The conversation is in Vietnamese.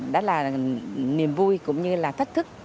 đó là niềm vui cũng như là thách thức